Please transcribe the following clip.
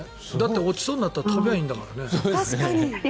落ちそうになったら飛べばいいんだからね。